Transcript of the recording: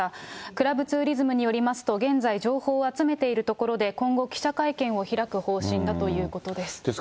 クラブツーリズムによりますと、現在、情報を集めているところで今後、記者会見を開く方針だということです。